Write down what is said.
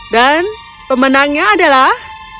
dan pemenangnya adalah